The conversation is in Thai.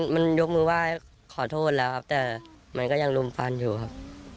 มันยกมือไหว้ขอโทษแล้วครับแต่มันก็ยังรุมฟันอยู่ครับ